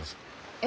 え？